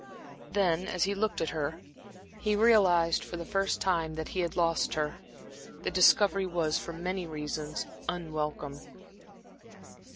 Then, as he looked at her, he realized for the first time that he had lost her. The discovery was, for many reasons, unwelcome.